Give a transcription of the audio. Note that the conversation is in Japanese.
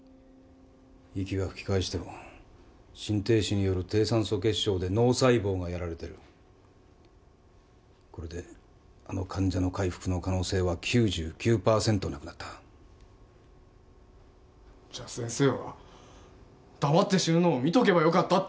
息は吹き返しても心停止による低酸素血症で脳細胞がやられてるこれであの患者の回復の可能性は９９％なくなったじゃあ先生は黙って死ぬのを見とけばよかったと？